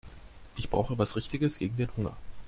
Ich brauche was Richtiges gegen den Hunger.